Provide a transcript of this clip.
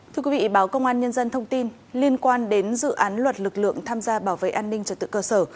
thưa quý vị báo công an nhân dân thông tin liên quan đến dự án luật lực lượng tham gia bảo vệ an ninh trật tự cơ sở